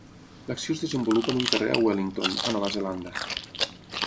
L'acció es desenvolupa en un carrer a Wellington, a Nova Zelanda.